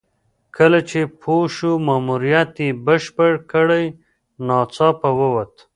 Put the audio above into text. کله چې پوه شو ماموریت یې بشپړ کړی ناڅاپه ووت.